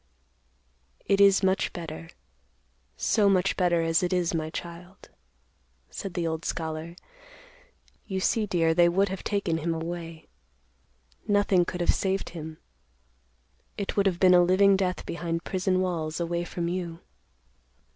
"It is much better, so much better, as it is, my child," said the old scholar. "You see, dear, they would have taken him away. Nothing could have saved him. It would have been a living death behind prison walls away from you."